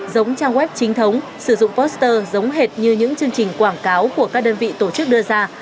giống trang web chính thống sử dụng poster giống hệt như những chương trình quảng cáo của các đơn vị tổ chức đưa ra